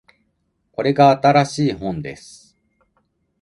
これが新しい本です